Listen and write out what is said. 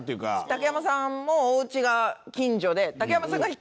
竹山さんもおうちが近所で。